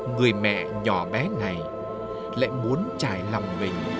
người mẹ nhỏ bé này lại muốn trải lòng mình